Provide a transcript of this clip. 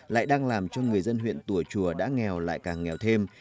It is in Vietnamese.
lại đang làm cho người dân huyện tùa chùa đã nghèo lại càng nghèo thêm